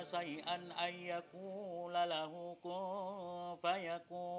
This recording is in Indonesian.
sampai jumpa di video selanjutnya